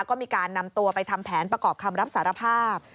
ก็มีการนำตัวไปทำแผนประกอบคำรับสารภาพ